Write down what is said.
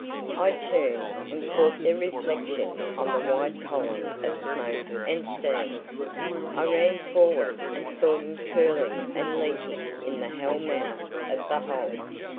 I turned, and caught their reflection on the white column of smoke and steam. I ran forward, and saw them curling and leaping in the hell mouth of the hold.